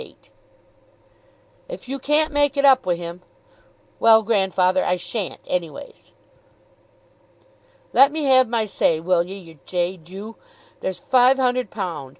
"If you can't make it up wi' him " "Well, grandfather, I shan't anyways." "Let me have my say, will ye, yer jade, you? There's five hun'erd pound!